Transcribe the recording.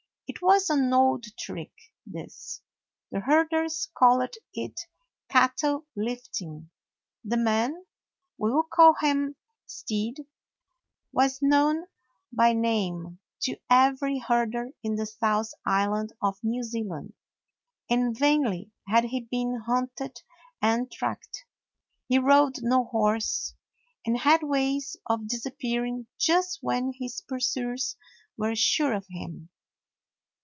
It was an old trick, this; the herders called it cattle lifting. The man — we will call him Stead — was known by name to every herder in the South Island of New Zealand, and vainly had he been hunted and tracked. He rode no horse and had ways of disappearing just when his pursuers were sure of him.